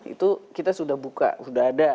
itu kita sudah buka sudah ada